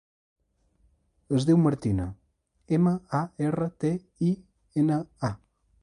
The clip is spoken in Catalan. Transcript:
Es diu Martina: ema, a, erra, te, i, ena, a.